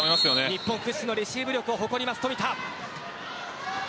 日本屈指のレシーブ力を誇ります富田。